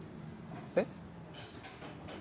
えっ？